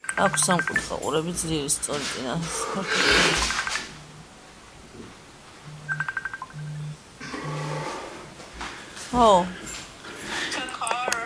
აქვს სამკუთხა ყურები, ძლიერი, სწორი, წინა ფეხები, ძლიერი, ფართო თავი.